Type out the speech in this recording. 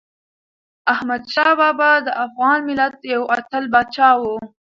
احمدشاه بابا د افغان ملت یو اتل پاچا و.